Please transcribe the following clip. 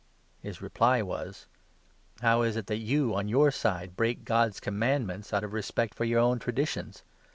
His reply was : 3 " How is it that you on your side break God's commandments out of respect for your own traditions